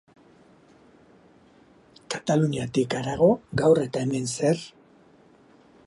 Kataluniatik harago, gaur eta hemen, zer?